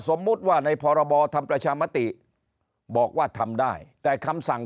สมมุติว่าในพรบทำประชามติบอกว่าทำได้แต่คำสั่ง